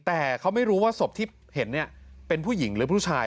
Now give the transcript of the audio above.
แต่เขาไม่รู้ว่าศพที่เห็นเป็นผู้หญิงหรือผู้ชาย